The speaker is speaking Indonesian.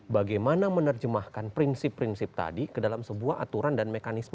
bagaimana menerjemahkan prinsip prinsip tadi ke dalam sebuah aturan dan mekanisme